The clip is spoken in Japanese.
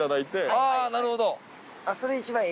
あぁなるほど。